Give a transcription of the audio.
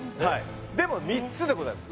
でも３つでございます